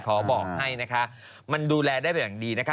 ขอบอกให้นะคะมันดูแลได้แบบดีนะคะ